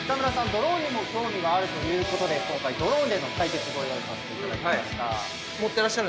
ドローンにも興味があるということで今回ドローンでの対決ご用意させていただきました。